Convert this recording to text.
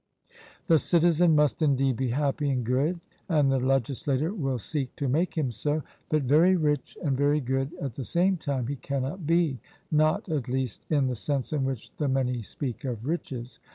The citizen must indeed be happy and good, and the legislator will seek to make him so; but very rich and very good at the same time he cannot be, not, at least, in the sense in which the many speak of riches.